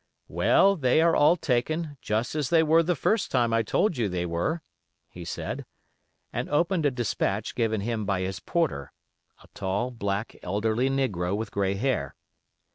'Well, they are all taken, just as they were the first time I told you they were,' he said, and opened a despatch given him by his porter, a tall, black, elderly negro with gray hair.